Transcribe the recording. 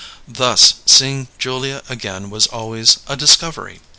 Thus, seeing Julia again was always a discovery.